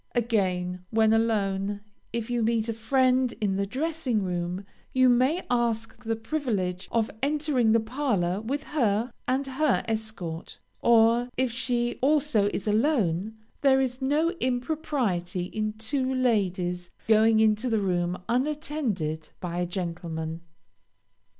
Again, when alone, if you meet a friend in the dressing room, you may ask the privilege of entering the parlor with her and her escort; or, if she also is alone, there is no impropriety in two ladies going into the room unattended by a gentleman.